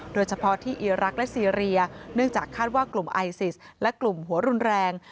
โดยเฉพาะที่อีรักษ์และซีเรียเนื่องจากคาดว่ากลุ่มไอซิสและกลุ่มหัวรุนแรง